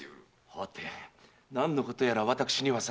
はて何のことやら私にはさっぱり。